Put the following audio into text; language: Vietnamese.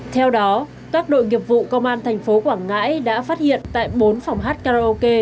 theo đó các đội nghiệp vụ công an tp quảng ngãi đã phát hiện tại bốn phòng hát karaoke